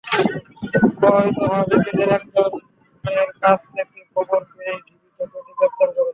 প্রতারিত হওয়া ব্যক্তিদের একজনের কাছ থেকে খবর পেয়েই ডিবি চক্রটিকে গ্রেপ্তার করে।